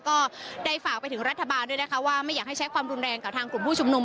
ก็ได้ฝากไปถึงรัฐบาลด้วยนะคะว่าไม่อยากให้ใช้ความรุนแรงกับทางกลุ่มผู้ชุมนุม